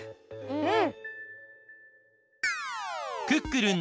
うん！